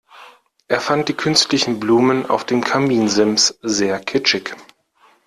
Er fand die künstlichen Blumen auf dem Kaminsims sehr kitschig.